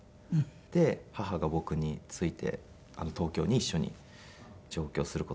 で母が僕について東京に一緒に上京する事になりましたね。